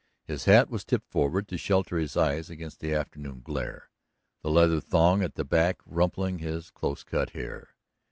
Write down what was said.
His hat was tipped forward to shelter his eyes against the afternoon glare, the leather thong at the back rumpling his close cut hair.